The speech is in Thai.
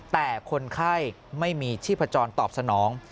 แต่คนไข้ไม่มีชีพจรตอบสนอง